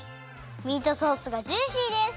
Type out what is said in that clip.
ミートソースがジューシーです！